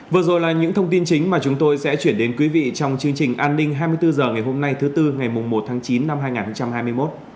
vừa rồi là những thông tin chính mà chúng tôi sẽ chuyển đến quý vị trong chương trình an ninh hai mươi bốn h ngày hôm nay thứ tư ngày một tháng chín năm hai nghìn hai mươi một